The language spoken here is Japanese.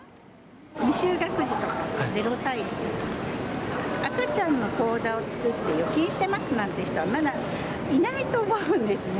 未就学児とか０歳児で、赤ちゃんの口座を作って預金してますなんて人は、まだいないと思うんですね。